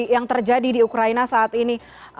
yang terjadi di ukraina saat ini